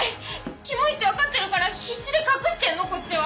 キモいって分かってるから必死で隠してんのこっちは。